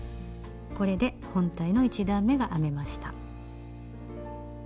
これで本体の１段めが編めました。